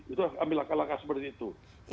itu ambil laka laka seperti itu